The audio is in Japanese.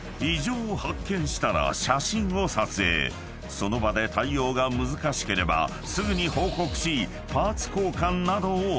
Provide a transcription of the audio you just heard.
［その場で対応が難しければすぐに報告し］